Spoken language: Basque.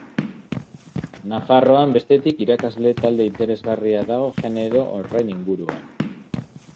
Nafarroan, bestetik, irakasle talde interesgarria dago genero horren inguruan.